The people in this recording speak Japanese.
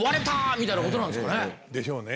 みたいなことなんですかね。でしょうね。